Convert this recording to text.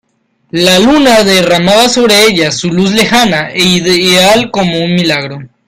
la luna derramaba sobre ellas su luz lejana e ideal como un milagro.